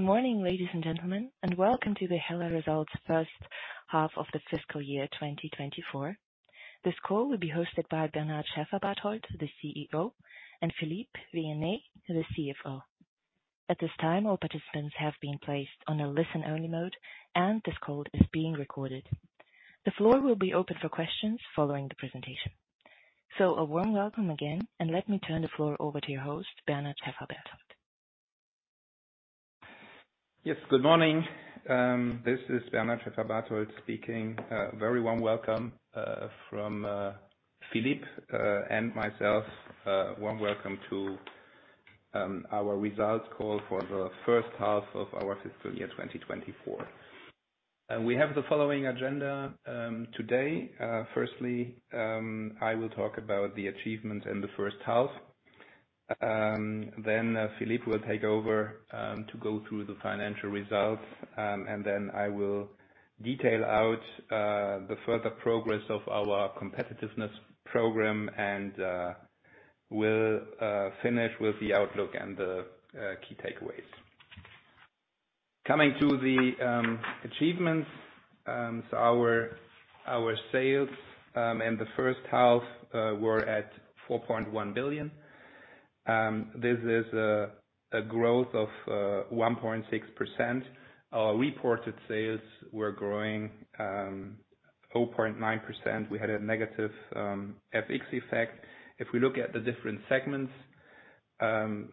Good morning, ladies and gentlemen, and welcome to the HELLA Results First half of the fiscal year 2024. This call will be hosted by Bernard Schäferbarthold, the CEO, and Philippe Vienney, the CFO. At this time, all participants have been placed on a listen-only mode, and this call is being recorded. The floor will be open for questions following the presentation. So, a warm welcome again, and let me turn the floor over to your host, Bernard Schäferbarthold. Yes, good morning. This is Bernard Schäferbarthold speaking. A very warm welcome from Philippe and myself. A warm welcome to our results call for the first half of our fiscal year 2024. We have the following agenda today. Firstly, I will talk about the achievements in the first half. Then Philippe will take over to go through the financial results, and then I will detail out the further progress of our competitiveness program and will finish with the outlook and the key takeaways. Coming to the achievements, our sales in the first half were 4.1 billion. This is a growth of 1.6%. Our reported sales were growing 0.9%. We had a negative FX effect. If we look at the different segments,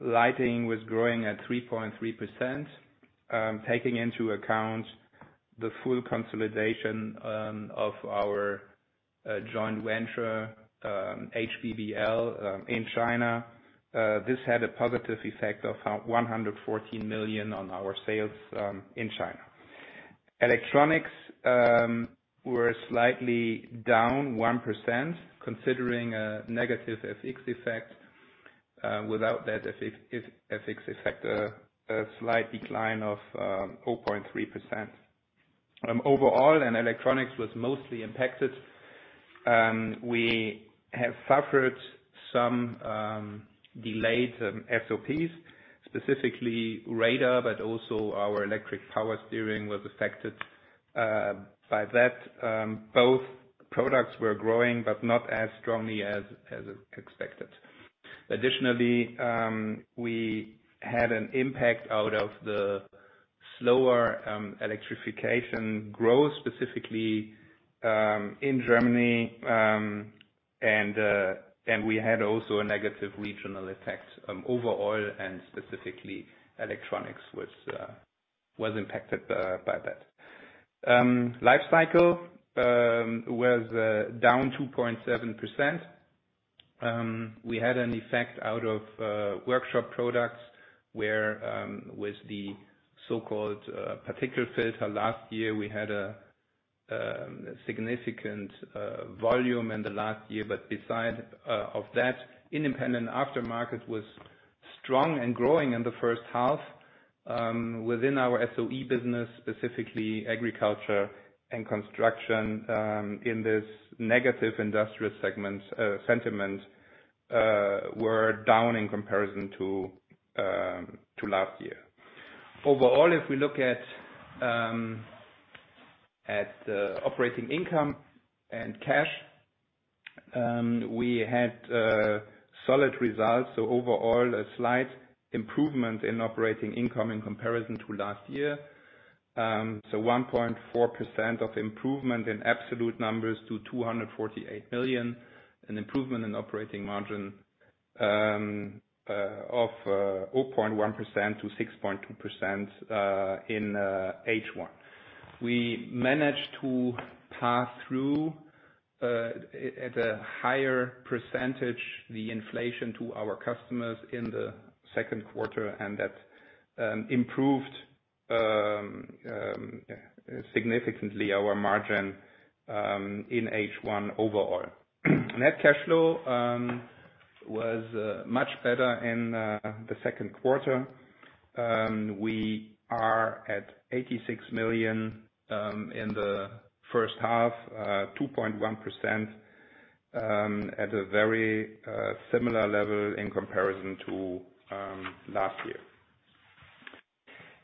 Lighting was growing at 3.3%, taking into account the full consolidation of our joint venture, HBBL, in China. This had a positive effect of 114 million on our sales in China. Electronics were slightly down 1%, considering a negative FX effect. Without that FX effect, a slight decline of 0.3%. Overall, Electronics was mostly impacted. We have suffered some delayed SOPs, specifically radar, but also our electric power steering was affected by that. Both products were growing, but not as strongly as expected. Additionally, we had an impact out of the slower electrification growth, specifically in Germany, and we had also a negative regional effect overall, and specifically Electronics was impacted by that. Lifecycle was down 2.7%. We had an effect out of workshop products where, with the so-called particle filter last year, we had a significant volume in the last year. But besides that, independent aftermarket was strong and growing in the first half. Within our SOE business, specifically agriculture and construction, in this negative industrial segment, sentiments were down in comparison to last year. Overall, if we look at operating income and cash, we had solid results. Overall, a slight improvement in operating income in comparison to last year. So 1.4% of improvement in absolute numbers to 248 million, an improvement in operating margin of 0.1% to 6.2% in H1. We managed to pass through at a higher percentage the inflation to our customers in the second quarter, and that improved significantly our margin in H1 overall. Net cash flow was much better in the second quarter. We are at 86 million in the first half, 2.1%, at a very similar level in comparison to last year.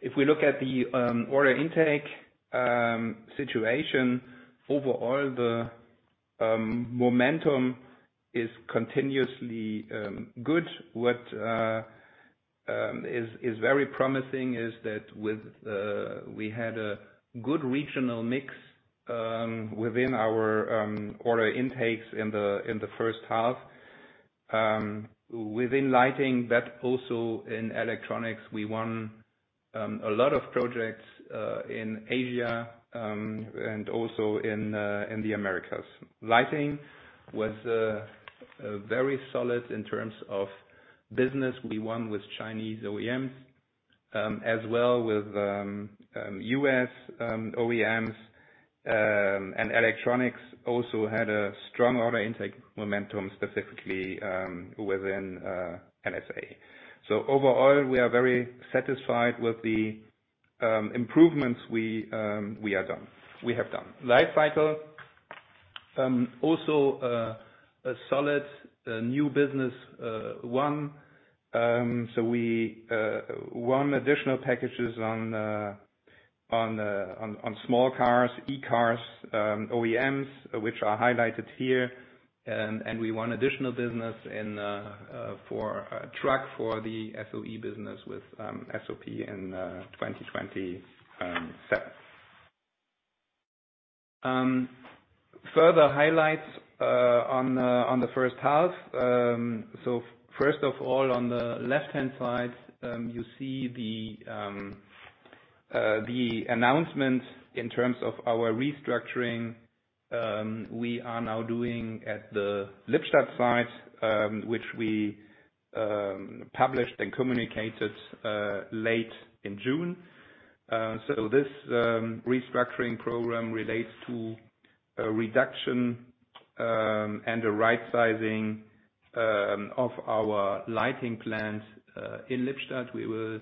If we look at the order intake situation, overall, the momentum is continuously good. What is very promising is that we had a good regional mix within our order intakes in the first half. Within Lighting, but also in Electronics, we won a lot of projects in Asia and also in the Americas. Lighting was very solid in terms of business. We won with Chinese OEMs as well as U.S. OEMs, and Electronics also had a strong order intake momentum, specifically within the USA. So overall, we are very satisfied with the improvements we have done. Lifecycle, also a solid new business won. So we won additional packages on small cars, e-cars, OEMs, which are highlighted here. And we won additional business for truck for the SOE business with SOP in 2027. Further highlights on the first half. First of all, on the left-hand side, you see the announcement in terms of our restructuring we are now doing at the Lippstadt site, which we published and communicated late in June. This restructuring program relates to a reduction and a right-sizing of our Lighting plants in Lippstadt. We will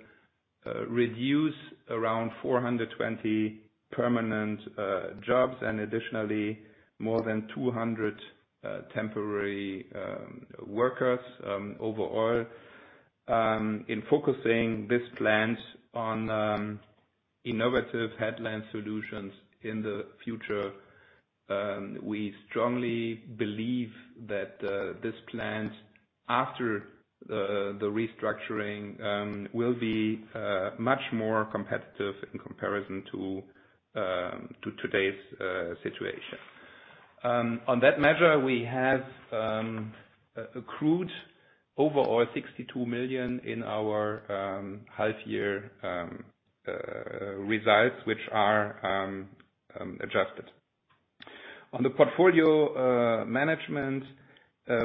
reduce around 420 permanent jobs and additionally more than 200 temporary workers overall. In focusing this plant on innovative headlamp solutions in the future, we strongly believe that this plant, after the restructuring, will be much more competitive in comparison to today's situation. On that measure, we have accrued overall 62 million in our half-year results, which are adjusted. On the portfolio management,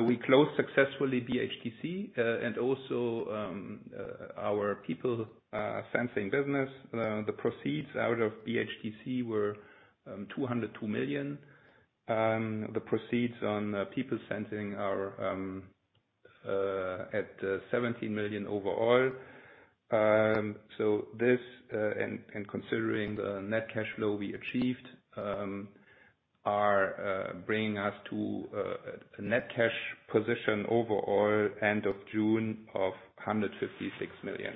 we closed successfully BHTC and also our People Sensing business. The proceeds out of BHTC were 202 million. The proceeds on People Sensing are at 17 million overall. So this, and considering the net cash flow we achieved, are bringing us to a net cash position overall end of June of 156 million.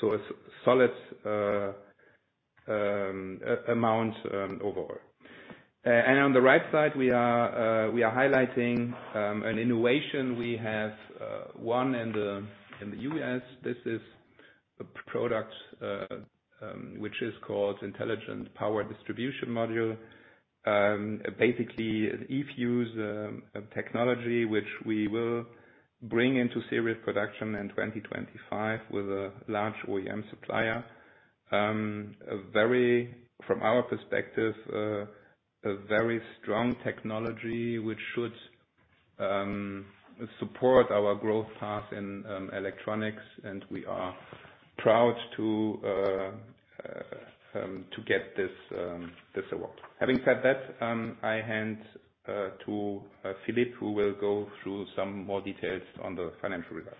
So a solid amount overall. And on the right side, we are highlighting an innovation we have won in the U.S. This is a product which is called Intelligent Power Distribution Module. Basically, an eFuse technology which we will bring into serial production in 2025 with a large OEM supplier. From our perspective, a very strong technology which should support our growth path in Electronics, and we are proud to get this award. Having said that, I hand to Philippe, who will go through some more details on the financial results.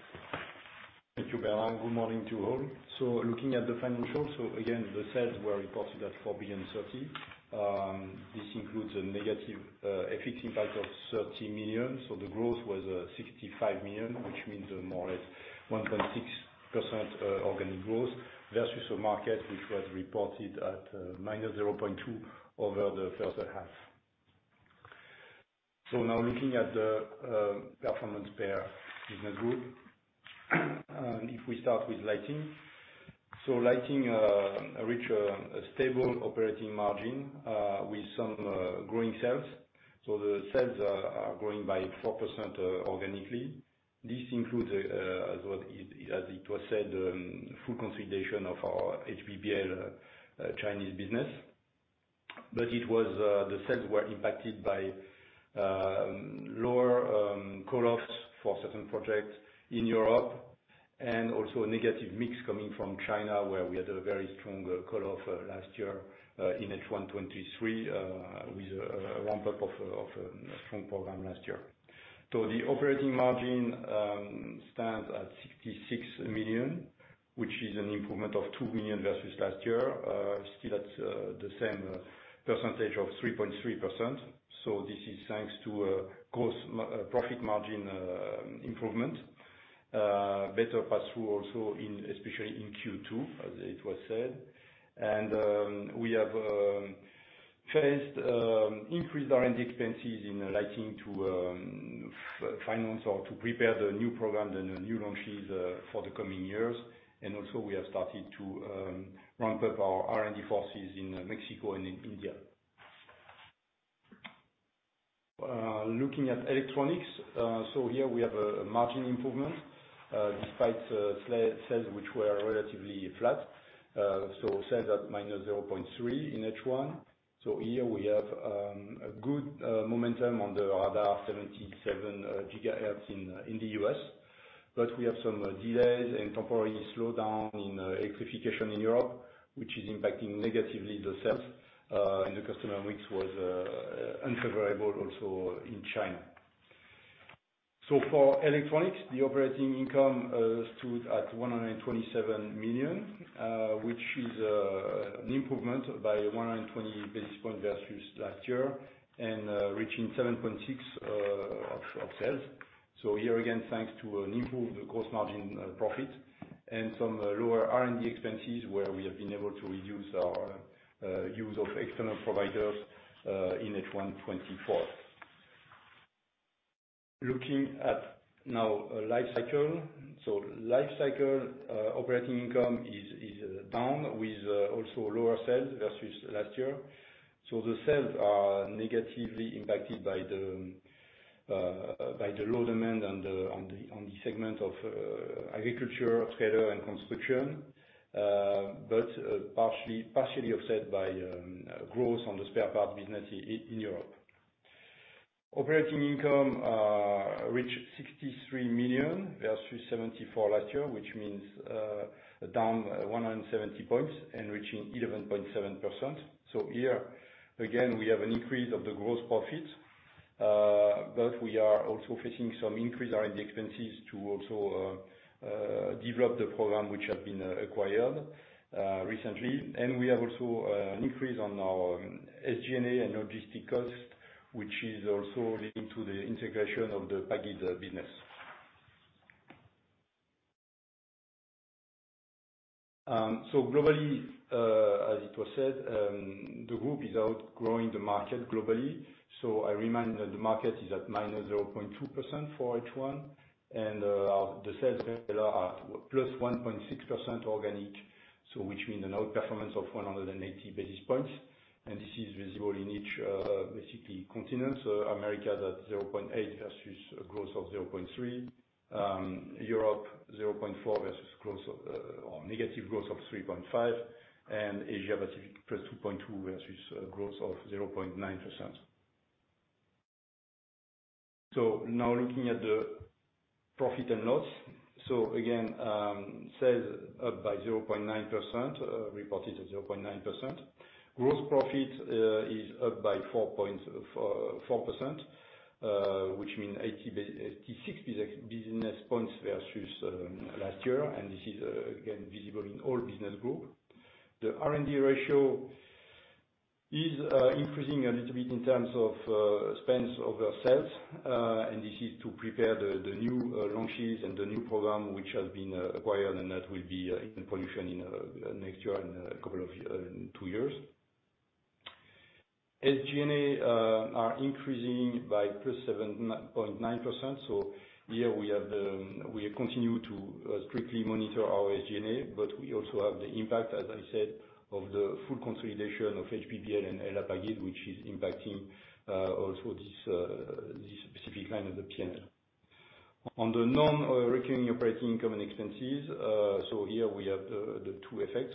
Thank you, Bernard. Good morning to all. Looking at the financials, again, the sales were reported at 4.03 billion. This includes a negative FX impact of 30 million. The growth was 65 million, which means more or less 1.6% organic growth versus a market which was reported at -0.2% over the first half. Now looking at the performance by business group, if we start with Lighting. Lighting reached a stable operating margin with some growing sales. The sales are growing by 4% organically. This includes, as it was said, full consolidation of our HBBL Chinese business. But the sales were impacted by lower call-offs for certain projects in Europe and also a negative mix coming from China, where we had a very strong call-off last year in H1 2023 with a ramp-up of a strong program last year. So the operating margin stands at 66 million, which is an improvement of 2 million versus last year, still at the same percentage of 3.3%. So this is thanks to a gross profit margin improvement, better pass-through also, especially in Q2, as it was said. And we have increased R&D expenses in Lighting to finance or to prepare the new program and the new launches for the coming years. And also, we have started to ramp up our R&D forces in Mexico and in India. Looking at Electronics, so here we have a margin improvement despite sales which were relatively flat. So sales at -0.3% in H1. So here we have good momentum on the 77 GHz radar in the U.S. But we have some delays and temporary slowdown in electrification in Europe, which is impacting negatively the sales. And the customer mix was unfavorable also in China. For Electronics, the operating income stood at 127 million, which is an improvement by 120 basis points versus last year and reaching 7.6% of sales. Here again, thanks to an improved gross margin profit and some lower R&D expenses where we have been able to reduce our use of external providers in H1 2024. Looking now at Lifecycle, Lifecycle operating income is down with also lower sales versus last year. The sales are negatively impacted by the low demand on the segment of agriculture, tractor, and construction, but partially offset by growth on the spare parts business in Europe. Operating income reached 63 million versus 74 million last year, which means a down 170 points and reaching 11.7%. So here, again, we have an increase of the gross profits, but we are also facing some increased R&D expenses to also develop the program which has been acquired recently. And we have also an increase on our SG&A and logistics costs, which is also linked to the integration of the Pagid business. So globally, as it was said, the group is outgrowing the market globally. So I remind that the market is at -0.2% for H1, and the sales are +1.6% organic, which means an outperformance of 180 basis points. And this is visible in each, basically, continent. So America is at 0.8% versus a growth of 0.3%. Europe, 0.4% versus negative growth of -3.5%. And Asia-Pacific +2.2% versus a growth of 0.9%. So now looking at the profit and loss. So again, sales up by 0.9%, reported at 0.9%. Gross profit is up by 4%, which means 86 basis points versus last year. This is, again, visible in all business groups. The R&D ratio is increasing a little bit in terms of spends over sales, and this is to prepare the new launches and the new program which has been acquired, and that will be in production next year in a couple of two years. SG&A are increasing by +7.9%. So here we continue to strictly monitor our SG&A, but we also have the impact, as I said, of the full consolidation of HBBL and Hella Pagid, which is impacting also this specific line of the P&L. On the non-recurring operating income and expenses, so here we have the two effects.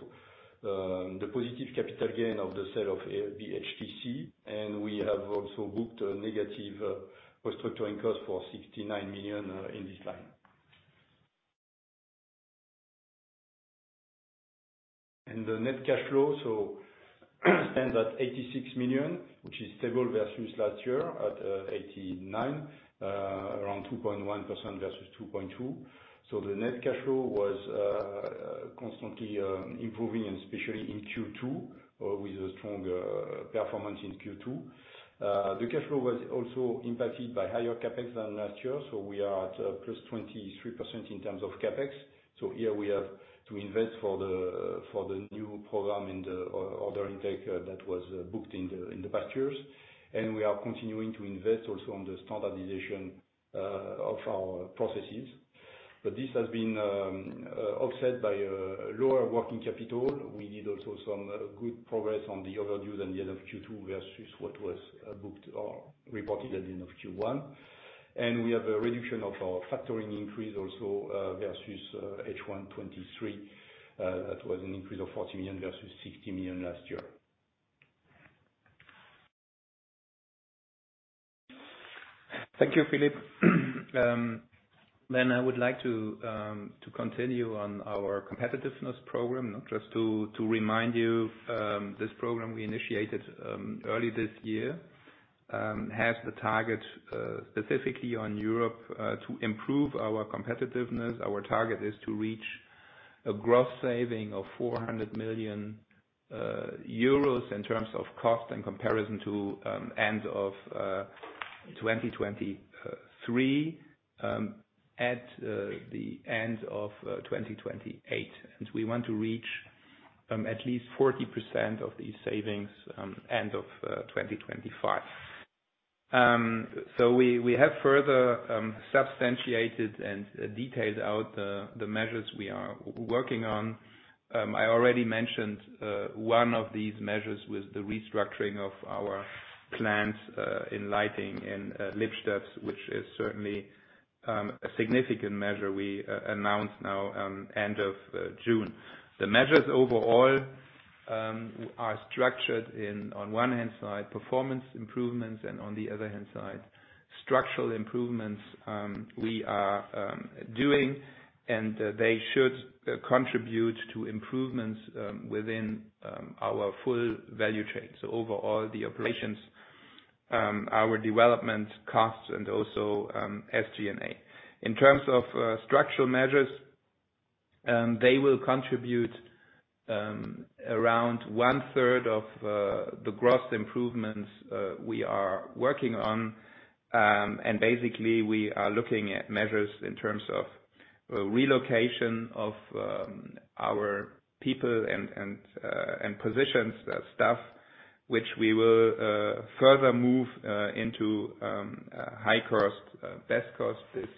The positive capital gain of the sale of BHTC, and we have also booked a negative restructuring cost for 69 million in this line. The net cash flow, so it stands at 86 million, which is stable versus last year at 89 million, around 2.1% versus 2.2%. The net cash flow was constantly improving, and especially in Q2, with a strong performance in Q2. The cash flow was also impacted by higher CapEx than last year. We are at +23% in terms of CapEx. Here we have to invest for the new program and the order intake that was booked in the past years. And we are continuing to invest also on the standardization of our processes. But this has been offset by lower working capital. We did also some good progress on the overdue at the end of Q2 versus what was booked or reported at the end of Q1. And we have a reduction of our factoring increase also versus H1 2023. That was an increase of 40 million versus 60 million last year. Thank you, Philippe. Then I would like to continue on our competitiveness program, just to remind you, this program we initiated early this year has the target specifically on Europe to improve our competitiveness. Our target is to reach a gross saving of 400 million euros in terms of cost in comparison to the end of 2023 at the end of 2028. And we want to reach at least 40% of these savings at the end of 2025. So we have further substantiated and detailed out the measures we are working on. I already mentioned one of these measures was the restructuring of our plants in Lighting in Lippstadt, which is certainly a significant measure we announced now at the end of June. The measures overall are structured on one hand side, performance improvements, and on the other hand side, structural improvements we are doing, and they should contribute to improvements within our full value chain. So overall, the operations, our development costs, and also SG&A. In terms of structural measures, they will contribute around one-third of the gross improvements we are working on. And basically, we are looking at measures in terms of relocation of our people and positions, staff, which we will further move into high cost, best cost. This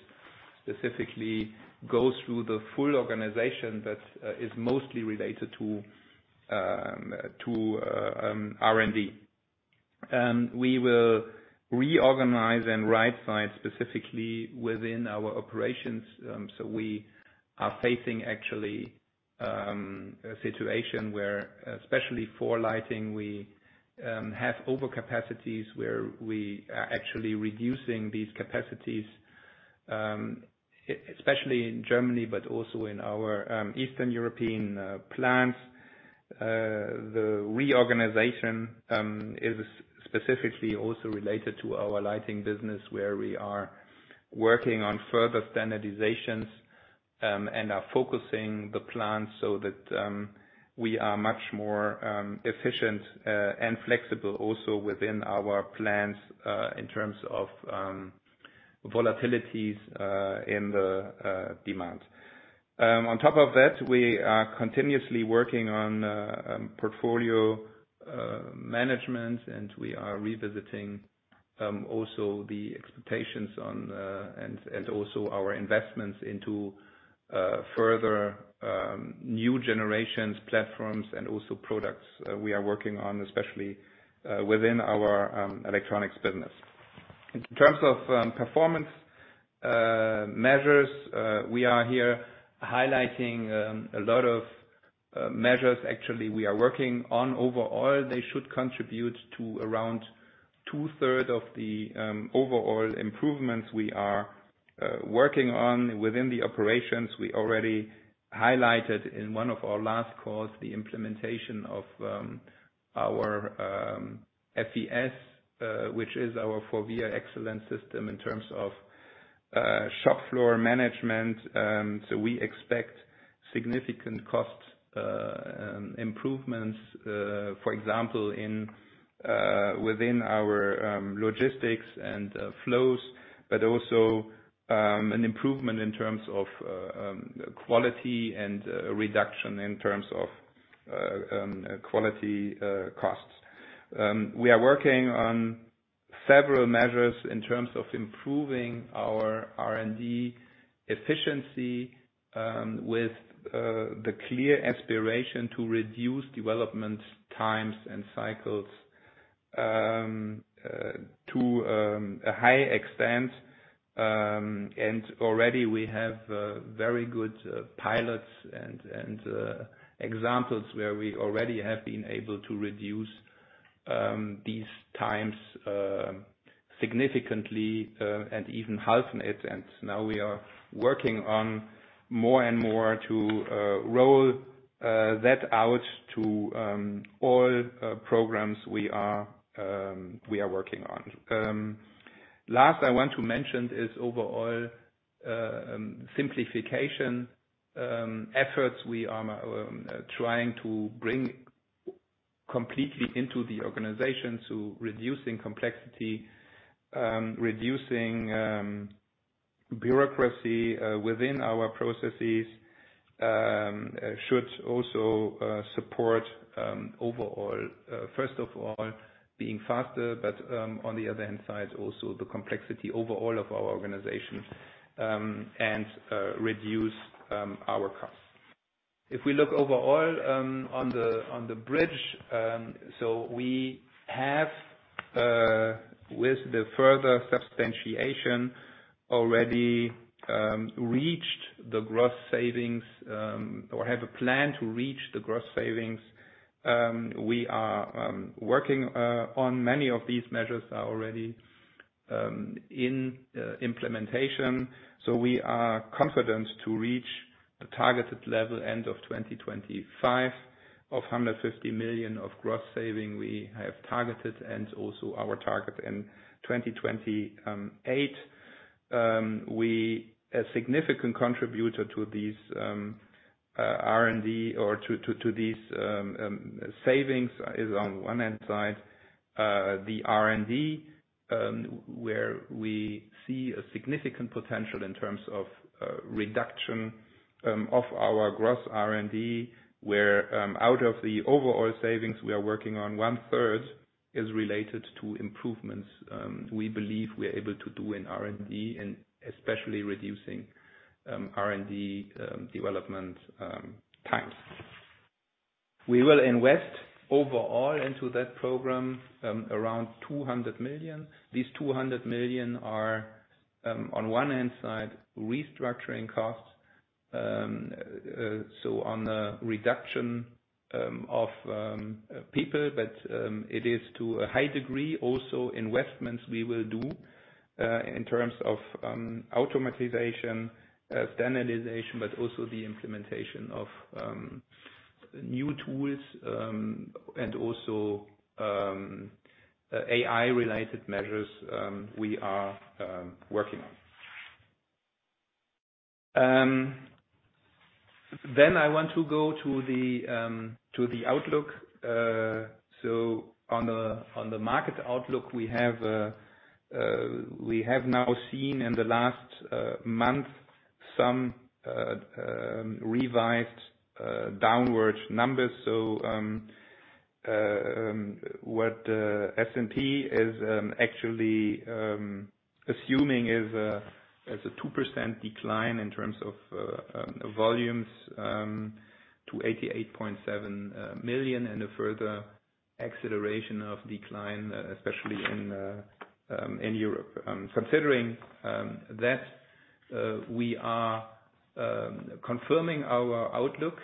specifically goes through the full organization that is mostly related to R&D. We will reorganize and right-size specifically within our operations. So we are facing actually a situation where, especially for Lighting, we have overcapacities where we are actually reducing these capacities, especially in Germany, but also in our Eastern European plants. The reorganization is specifically also related to our Lighting business where we are working on further standardizations and are focusing the plants so that we are much more efficient and flexible also within our plants in terms of volatilities in the demand. On top of that, we are continuously working on portfolio management, and we are revisiting also the expectations and also our investments into further new generations platforms and also products we are working on, especially within our Electronics business. In terms of performance measures, we are here highlighting a lot of measures. Actually, we are working on overall. They should contribute to around two-thirds of the overall improvements we are working on within the operations. We already highlighted in one of our last calls the implementation of our FES, which is our FORVIA Excellence System in terms of shop floor management. We expect significant cost improvements, for example, within our logistics and flows, but also an improvement in terms of quality and reduction in terms of quality costs. We are working on several measures in terms of improving our R&D efficiency with the clear aspiration to reduce development times and cycles to a high extent. Already, we have very good pilots and examples where we already have been able to reduce these times significantly and even half it. Now we are working on more and more to roll that out to all programs we are working on. Last I want to mention is overall simplification efforts. We are trying to bring completely into the organization to reducing complexity, reducing bureaucracy within our processes should also support overall, first of all, being faster, but on the other hand side, also the complexity overall of our organization and reduce our costs. If we look overall on the bridge, so we have, with the further substantiation, already reached the gross savings or have a plan to reach the gross savings. We are working on many of these measures already in implementation. So we are confident to reach the targeted level end of 2025 of 150 million of gross savings we have targeted and also our target in 2028. A significant contributor to these R&D or to these savings is, on one hand side, the R&D where we see a significant potential in terms of reduction of our gross R&D, where out of the overall savings, we are working on. One-third is related to improvements we believe we are able to do in R&D, and especially reducing R&D development times. We will invest overall into that program around 200 million. These 200 million are, on one hand side, restructuring costs. So on the reduction of people, but it is to a high degree also investments we will do in terms of automation, standardization, but also the implementation of new tools and also AI-related measures we are working on. Then I want to go to the outlook. So on the market outlook, we have now seen in the last month some revised downward numbers. What S&P is actually assuming is a 2% decline in terms of volumes to 88.7 million and a further acceleration of decline, especially in Europe. Considering that, we are confirming our outlook.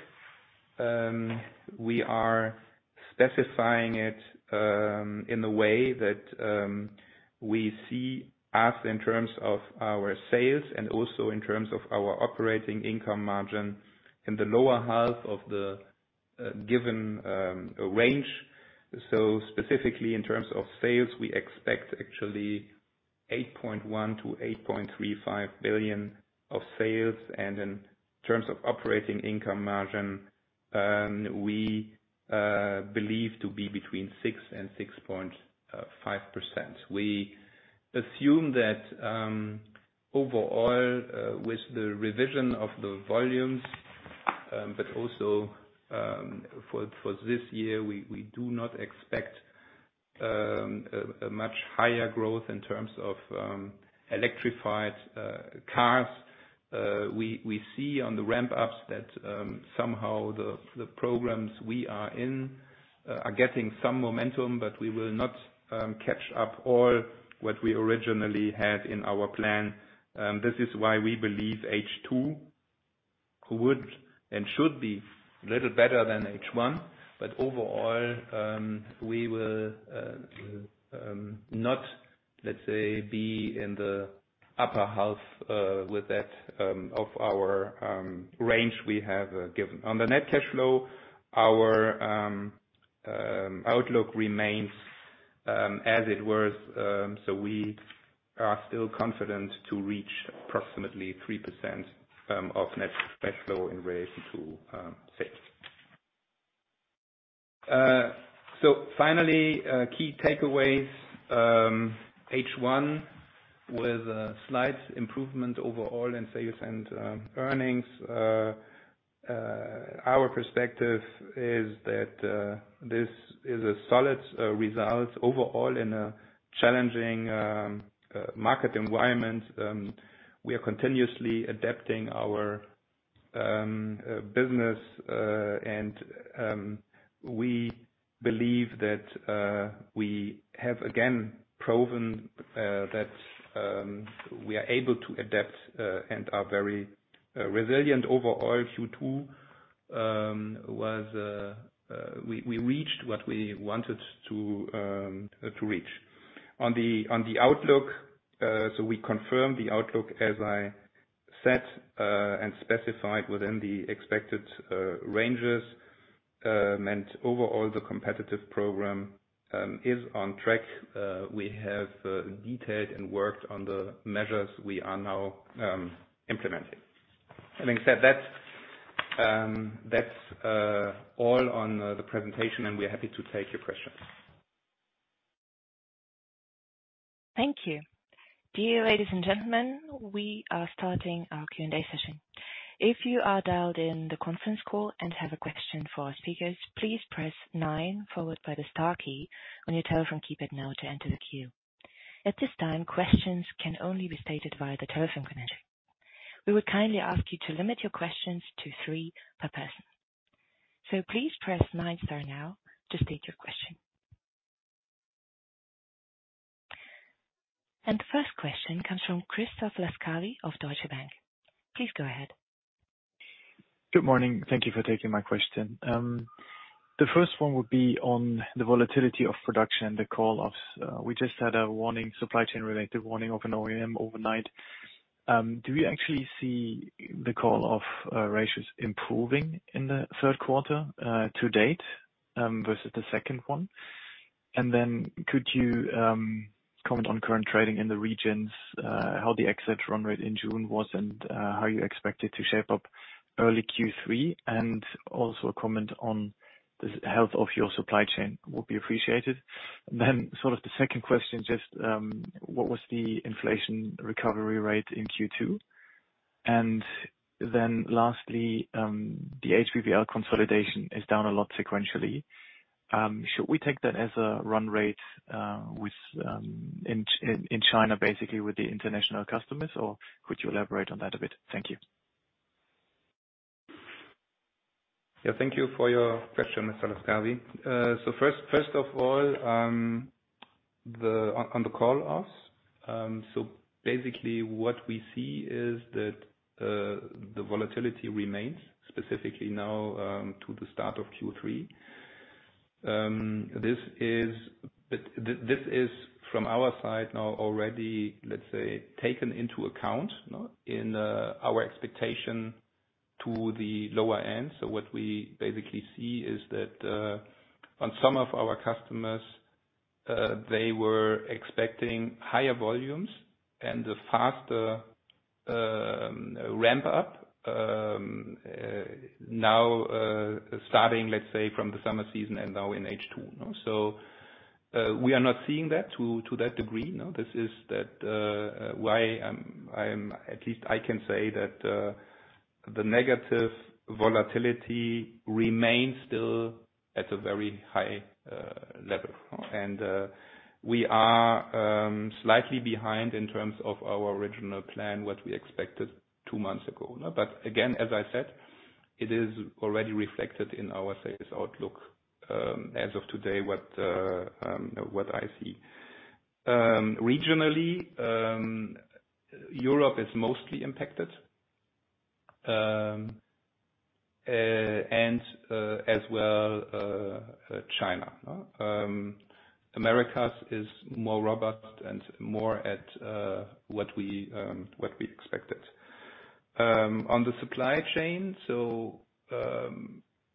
We are specifying it in a way that we see us in terms of our sales and also in terms of our operating income margin in the lower half of the given range. Specifically in terms of sales, we expect actually 8.1 billion-8.35 billion of sales. In terms of operating income margin, we believe to be between 6% and 6.5%. We assume that overall, with the revision of the volumes, but also for this year, we do not expect a much higher growth in terms of electrified cars. We see on the ramp-ups that somehow the programs we are in are getting some momentum, but we will not catch up all what we originally had in our plan. This is why we believe H2 would and should be a little better than H1. But overall, we will not, let's say, be in the upper half with that of our range we have given. On the net cash flow, our outlook remains as it was. So we are still confident to reach approximately 3% of net cash flow in relation to sales. So finally, key takeaways, H1 with a slight improvement overall in sales and earnings. Our perspective is that this is a solid result overall in a challenging market environment. We are continuously adapting our business, and we believe that we have again proven that we are able to adapt and are very resilient. Overall, Q2 was we reached what we wanted to reach. On the outlook, so we confirm the outlook as I said and specified within the expected ranges. Overall, the competitive program is on track. We have detailed and worked on the measures we are now implementing. Having said that, that's all on the presentation, and we're happy to take your questions. Thank you. Dear ladies and gentlemen, we are starting our Q&A session. If you are dialed in the conference call and have a question for our speakers, please press 9 followed by the star key on your telephone keypad now to enter the queue. At this time, questions can only be stated via the telephone connection. We would kindly ask you to limit your questions to three per person. So please press 9 star now to state your question. And the first question comes from Christoph Laskawi of Deutsche Bank. Please go ahead. Good morning. Thank you for taking my question. The first one would be on the volatility of production and the call-offs. We just had a warning, supply chain-related warning of an OEM overnight. Do we actually see the call-off ratios improving in the third quarter to date versus the second one? And then could you comment on current trading in the regions, how the exit run rate in June was, and how you expect it to shape up early Q3? And also comment on the health of your supply chain would be appreciated. Then sort of the second question, just what was the inflation recovery rate in Q2? And then lastly, the HBBL consolidation is down a lot sequentially. Should we take that as a run rate in China basically with the international customers, or could you elaborate on that a bit? Thank you. Yeah, thank you for your question, Mr. Laskawi. So first of all, on the call-offs, so basically what we see is that the volatility remains specifically now to the start of Q3. This is from our side now already, let's say, taken into account in our expectation to the lower end. So what we basically see is that on some of our customers, they were expecting higher volumes and a faster ramp-up now starting, let's say, from the summer season and now in H2. So we are not seeing that to that degree. This is why I'm at least I can say that the negative volatility remains still at a very high level. And we are slightly behind in terms of our original plan, what we expected two months ago. But again, as I said, it is already reflected in our sales outlook as of today, what I see. Regionally, Europe is mostly impacted, and as well China. Americas is more robust and more at what we expected. On the supply chain,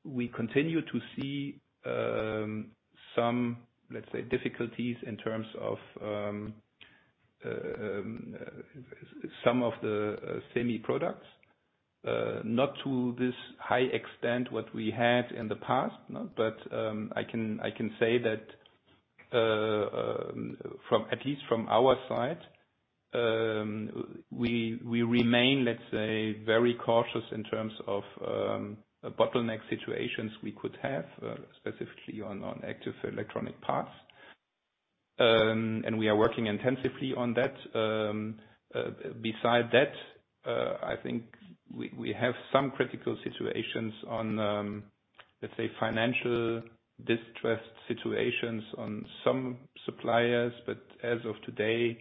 we continue to see some, let's say, difficulties in terms of some of the semi-products, not to this high extent what we had in the past. But I can say that at least from our side, we remain, let's say, very cautious in terms of bottleneck situations we could have specifically on active electronic parts. And we are working intensively on that. Besides that, I think we have some critical situations on, let's say, financial distressed situations on some suppliers. But as of today,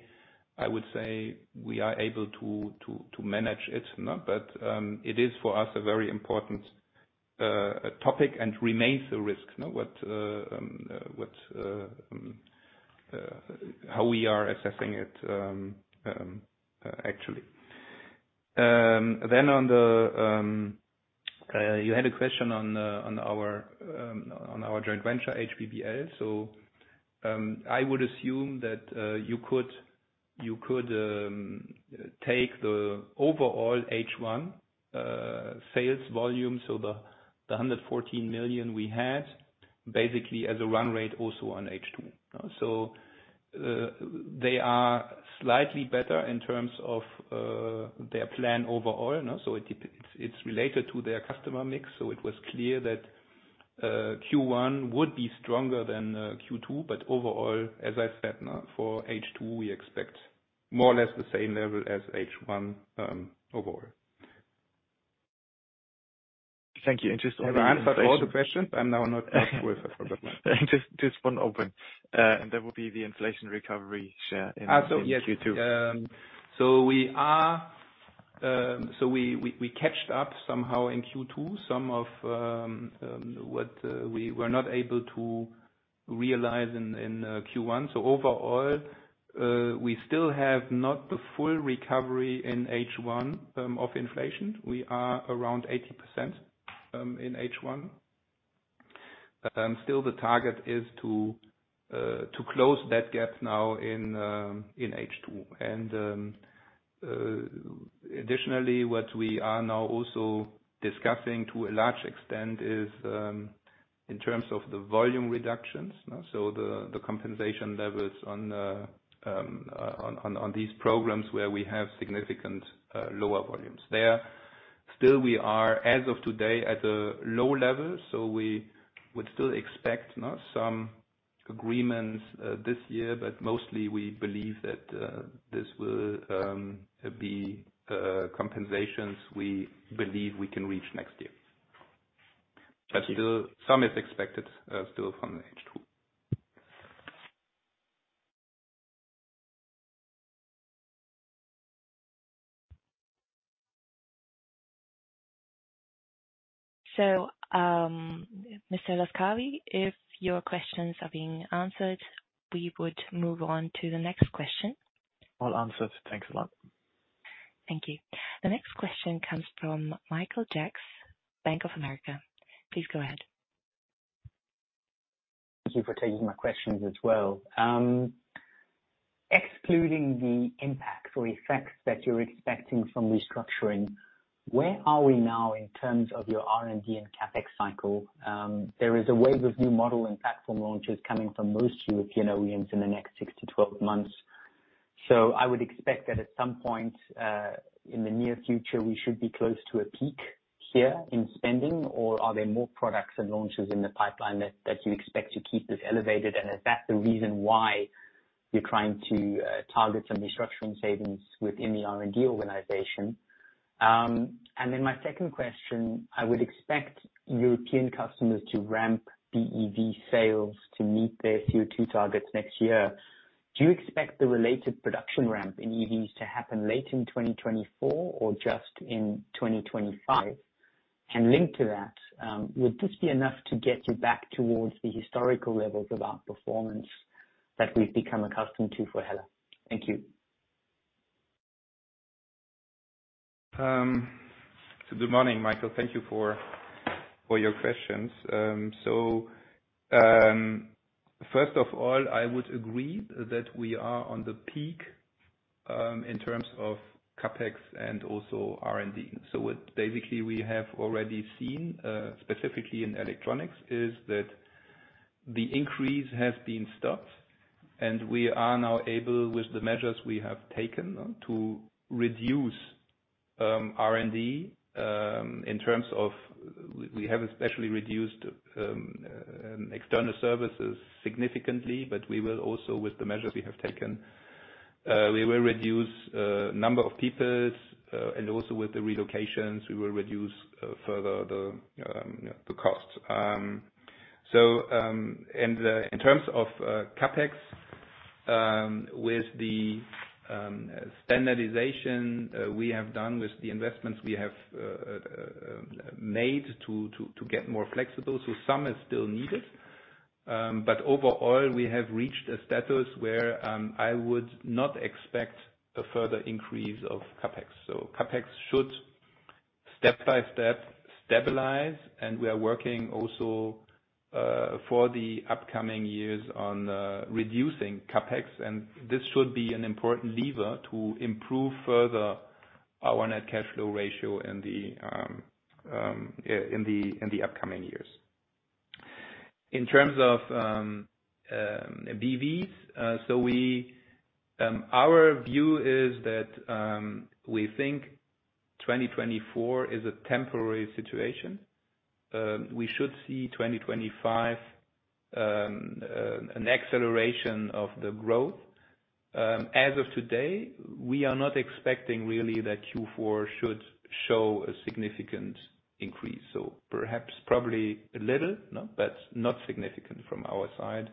I would say we are able to manage it. But it is for us a very important topic and remains a risk, how we are assessing it actually. Then on the you had a question on our joint venture, HBBL. So I would assume that you could take the overall H1 sales volume, so the 114 million we had, basically as a run rate also on H2. So they are slightly better in terms of their plan overall. So it was clear that Q1 would be stronger than Q2. But overall, as I said, for H2, we expect more or less the same level as H1 overall. Thank you. And just on the. I've answered all the questions. I'm now not sure if I forgot one. Just one open. And that would be the inflation recovery share in Q2. So we caught up somehow in Q2, some of what we were not able to realize in Q1. Overall, we still have not the full recovery in H1 of inflation. We are around 80% in H1. Still, the target is to close that gap now in H2. Additionally, what we are now also discussing to a large extent is in terms of the volume reductions. So the compensation levels on these programs where we have significant lower volumes. There still, we are as of today at a low level. So we would still expect some agreements this year, but mostly we believe that this will be compensations we believe we can reach next year. But still, some is expected still from H2. Mr. Laskawi, if your questions are being answered, we would move on to the next question. All answered. Thanks a lot. Thank you. The next question comes from Michael Jacks, Bank of America. Please go ahead. Thank you for taking my questions as well. Excluding the impacts or effects that you're expecting from restructuring, where are we now in terms of your R&D and CapEx cycle? There is a wave of new model and platform launches coming from most European OEMs in the next 6-12 months. So I would expect that at some point in the near future, we should be close to a peak here in spending, or are there more products and launches in the pipeline that you expect to keep this elevated? And is that the reason why you're trying to target some restructuring savings within the R&D organization? And then my second question, I would expect European customers to ramp BEV sales to meet their CO₂ targets next year. Do you expect the related production ramp in EVs to happen late in 2024 or just in 2025? Linked to that, would this be enough to get you back towards the historical levels of our performance that we've become accustomed to for HELLA? Thank you. So good morning, Michael. Thank you for your questions. So first of all, I would agree that we are on the peak in terms of CapEx and also R&D. So basically, we have already seen specifically in Electronics is that the increase has been stopped. And we are now able, with the measures we have taken, to reduce R&D in terms of we have especially reduced external services significantly, but we will also, with the measures we have taken, we will reduce the number of people. And also with the relocations, we will reduce further the cost. And in terms of CapEx, with the standardization we have done with the investments we have made to get more flexible, so some is still needed. But overall, we have reached a status where I would not expect a further increase of CapEx. So CapEx should step by step stabilize, and we are working also for the upcoming years on reducing CapEx. And this should be an important lever to improve further our net cash flow ratio in the upcoming years. In terms of BEVs, so our view is that we think 2024 is a temporary situation. We should see 2025 an acceleration of the growth. As of today, we are not expecting really that Q4 should show a significant increase. So perhaps probably a little, but not significant from our side.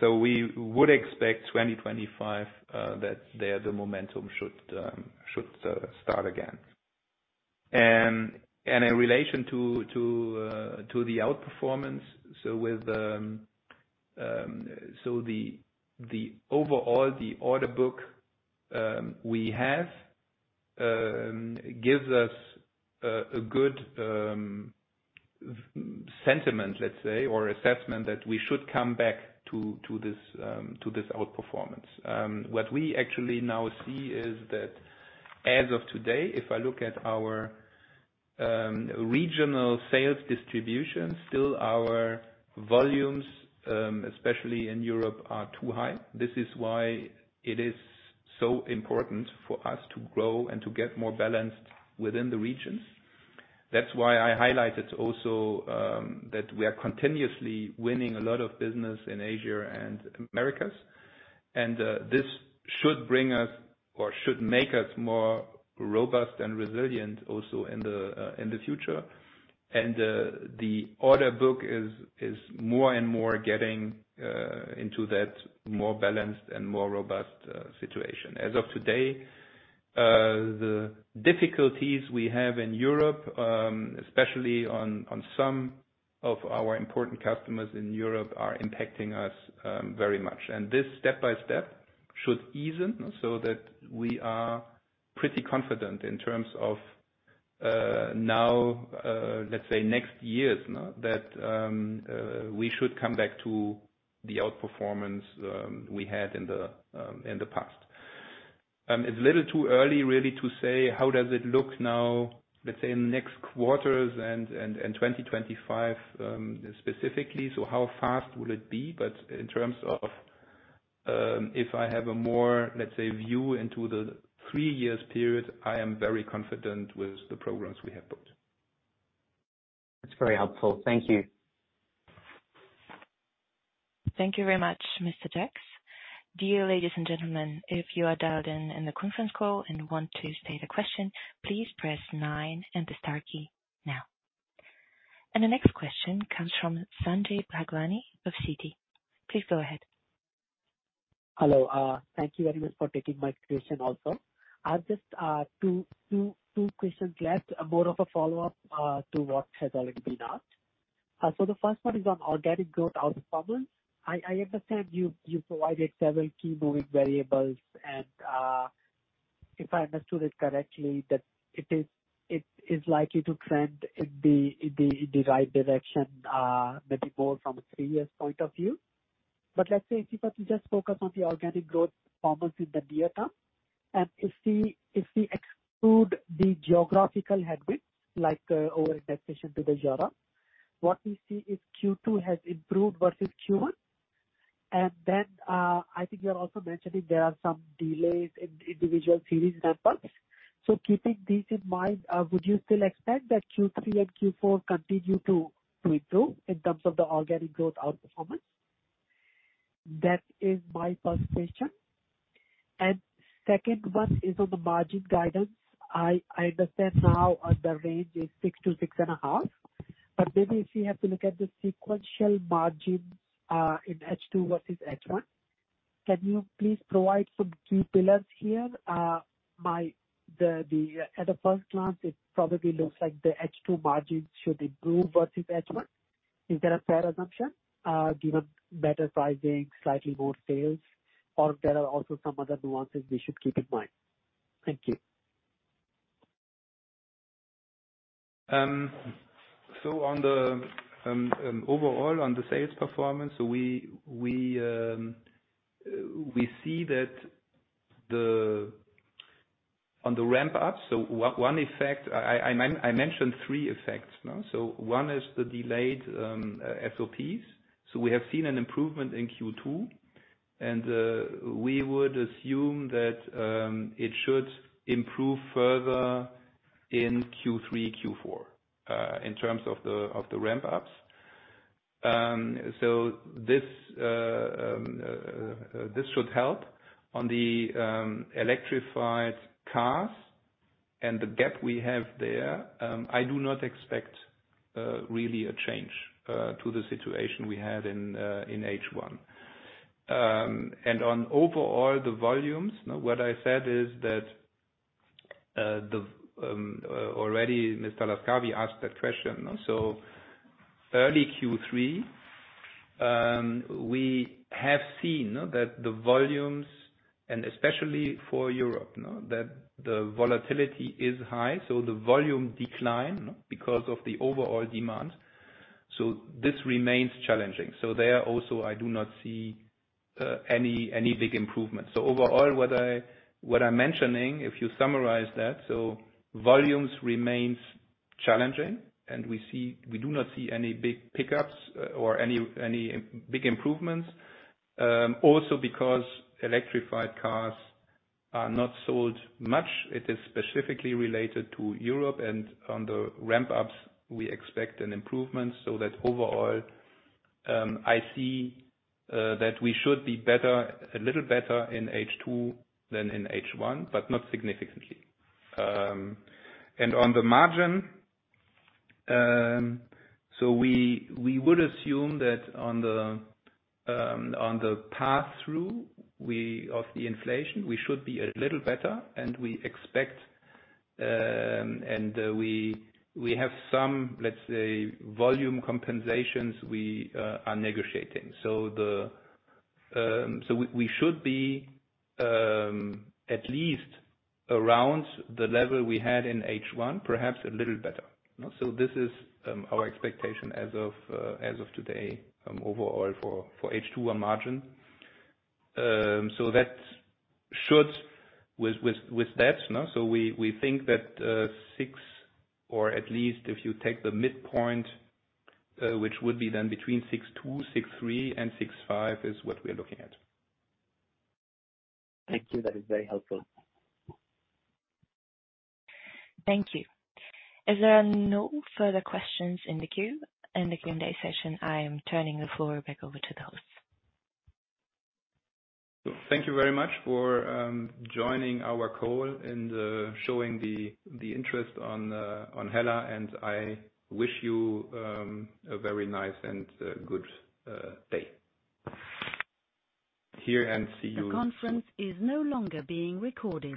So we would expect 2025 that the momentum should start again. And in relation to the outperformance, so overall, the order book we have gives us a good sentiment, let's say, or assessment that we should come back to this outperformance. What we actually now see is that as of today, if I look at our regional sales distribution, still our volumes, especially in Europe, are too high. This is why it is so important for us to grow and to get more balanced within the regions. That's why I highlighted also that we are continuously winning a lot of business in Asia and Americas. And this should bring us or should make us more robust and resilient also in the future. And the order book is more and more getting into that more balanced and more robust situation. As of today, the difficulties we have in Europe, especially on some of our important customers in Europe, are impacting us very much. This step by step should ease so that we are pretty confident in terms of now, let's say, next year's that we should come back to the outperformance we had in the past. It's a little too early really to say how does it look now, let's say, in the next quarters and 2025 specifically. So how fast will it be? But in terms of if I have a more, let's say, view into the three-year period, I am very confident with the programs we have put. That's very helpful. Thank you. Thank you very much, Mr. Jacks. Dear ladies and gentlemen, if you are dialed into the conference call and want to state a question, please press 9 and the star key now. The next question comes from Sanjay Bhagwani of Citi. Please go ahead. Hello. Thank you very much for taking my question also. I have just two questions left, more of a follow-up to what has already been asked. So the first one is on organic growth outperformance. I understand you provided several key moving variables, and if I understood it correctly, that it is likely to trend in the right direction, maybe more from a 3-year point of view. But let's say if you just focus on the organic growth performance in the near term, and if we exclude the geographical headwinds like over-indexation to the euro, what we see is Q2 has improved versus Q1. And then I think you're also mentioning there are some delays in individual series ramp-ups. So keeping these in mind, would you still expect that Q3 and Q4 continue to improve in terms of the organic growth outperformance? That is my first question. Second one is on the margin guidance. I understand now the range is 6%-6.5%. But maybe if you have to look at the sequential margins in H2 versus H1, can you please provide some key pillars here? At a first glance, it probably looks like the H2 margins should improve versus H1. Is that a fair assumption given better pricing, slightly more sales, or there are also some other nuances we should keep in mind? Thank you. So overall, on the sales performance, we see that on the ramp-up, so one effect I mentioned three effects. So one is the delayed SOPs. So we have seen an improvement in Q2, and we would assume that it should improve further in Q3, Q4 in terms of the ramp-ups. So this should help on the electrified cars and the gap we have there. I do not expect really a change to the situation we had in H1. And on overall, the volumes, what I said is that already Mr. Laskawi asked that question. So early Q3, we have seen that the volumes, and especially for Europe, that the volatility is high. So the volume decline because of the overall demand. So this remains challenging. So there also, I do not see any big improvement. So overall, what I'm mentioning, if you summarize that, so volumes remain challenging, and we do not see any big pickups or any big improvements. Also because electrified cars are not sold much, it is specifically related to Europe. And on the ramp-ups, we expect an improvement. So that overall, I see that we should be a little better in H2 than in H1, but not significantly. And on the margin, so we would assume that on the pass-through of the inflation, we should be a little better. And we expect and we have some, let's say, volume compensations we are negotiating. So we should be at least around the level we had in H1, perhaps a little better. So this is our expectation as of today overall for H2 margin. So that should with that. We think that 6% or at least if you take the midpoint, which would be then between 6.2%, 6.3%, and 6.5% is what we are looking at. Thank you. That is very helpful. Thank you. If there are no further questions in the Q&A session, I am turning the floor back over to the host. Thank you very much for joining our call and showing the interest on HELLA. I wish you a very nice and good day. Here and see you. The conference is no longer being recorded.